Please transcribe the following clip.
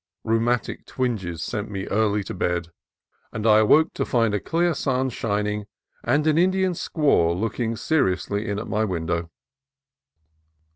Rheumatic twinges sent me early to bed, and I awoke to find a clear sun shining and an Indian squaw looking seriously in at my window.